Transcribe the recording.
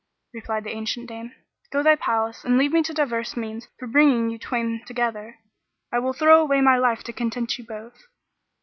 Replied the ancient dame, "Go to thy palace and leave me to devise means for bringing you twain together. I will throw away my life to content you both!"